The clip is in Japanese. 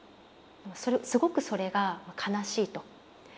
すごくそれが悲しいと。